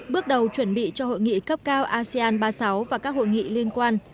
bước đầu chuẩn bị cho hội nghị cấp cao asean ba mươi sáu và các hội nghị liên quan